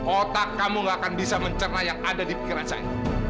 otak kamu gak akan bisa mencerna yang ada di pikiran saya